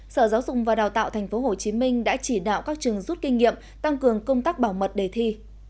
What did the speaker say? sở giáo dục và đào tạo tp hcm đã chỉ đạo các trường rút kinh nghiệm tăng cường công tác bảo mật đề thi